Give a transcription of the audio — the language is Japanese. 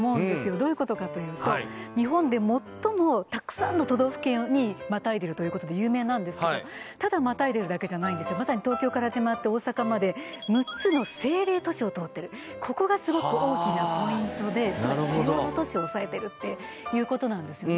どういうことかというと日本で最もたくさんの都道府県にまたいでるということで有名なんですけどただまたいでるだけじゃなくまさに東京から始まって大阪まで６つの政令都市を通ってるここがスゴく大きなポイントでつまり主要な都市をおさえてるっていうことなんですよね